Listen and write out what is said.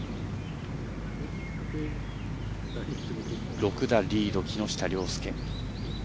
６打リード、木下稜介。